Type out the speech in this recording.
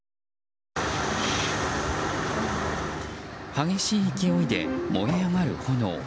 激しい勢いで燃え上がる炎。